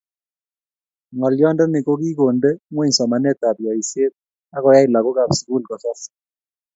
Ngolyondoni ko kikonde ngweny somanetab yoisiet akokoyai lagokab sukul kosas